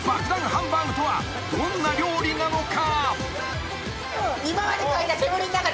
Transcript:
ハンバーグとはどんな料理なのか？］